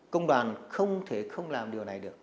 công đoàn không thể không làm điều này được